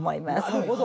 なるほど。